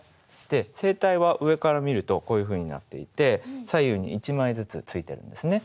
声帯は上から見るとこういうふうになっていて左右に一枚ずつついてるんですね。